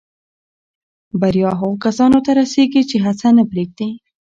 بریا هغو کسانو ته رسېږي چې هڅه نه پرېږدي.